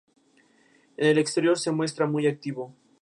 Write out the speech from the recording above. En el exterior se muestra muy activo.